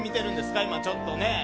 今、ちょっとね。